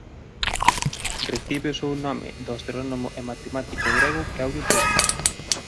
Recibe o seu nome do astrónomo e matemático grego Claudio Tolomeo.